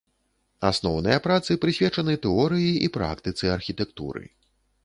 Асноўныя працы прысвечаны тэорыі і практыцы архітэктуры.